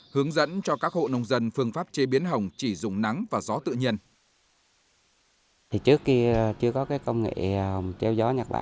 hướng dẫn cho các hộ nông dân phương pháp chế biến hồng chỉ dùng nắng và gió tự nhiên